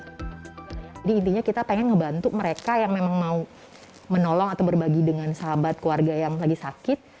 jadi intinya kita ingin membantu mereka yang memang mau menolong atau berbagi dengan sahabat keluarga yang lagi sakit